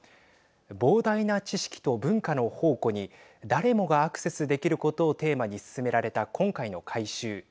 膨大な知識と文化の宝庫に誰もがアクセスできることをテーマに進められた今回の改修。